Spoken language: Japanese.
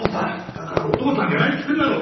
だからお父さんじゃないっつってんだろ！